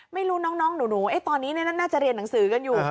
ไม่รู้น้องหนูตอนนี้น่าจะเรียนหนังสือกันอยู่